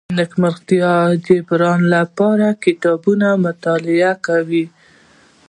د دې نیمګړتیا جبران لپاره کتابونه مطالعه کوي.